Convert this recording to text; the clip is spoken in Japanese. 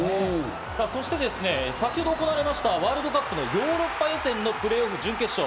そして先ほど行われましたワールドカップのヨーロッパ予選のプレーオフ準決勝。